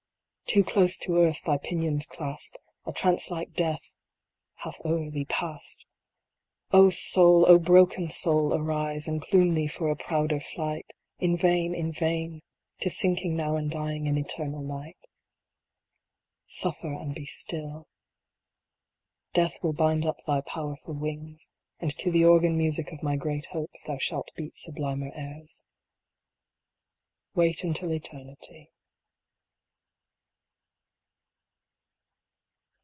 Too close to earth thy pinions clasp : A trance like death hath o er thee past. Oh, soul ! oh, broken soul, arise, And plume thee for a prouder flight. In vain, in vain tis sinking now And dying in eternal night. " Suffer and be still." 102 A FRAGMENT. Death will bind up thy powerful wings, and to the organ music of my great hopes thou shall beat sublimer airs. Wait until eternity.